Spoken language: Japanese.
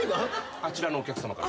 あちらのお客さまから。